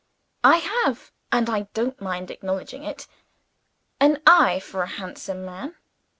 I have, and I don't mind acknowledging it, an eye for a handsome man.